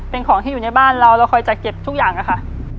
เป็นของที่อยู่ในบ้านเราเราคอยจัดเก็บทุกอย่างค่ะ